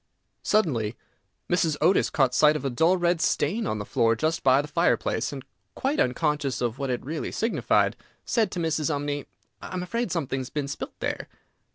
Suddenly Mrs. Otis caught sight of a dull red stain on the floor just by the fireplace, and, quite unconscious of what it really signified, said to Mrs. Umney, "I am afraid something has been spilt there."